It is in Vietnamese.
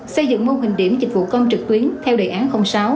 xây dựng mô hình điểm dịch vụ công trực tuyến theo đề án sáu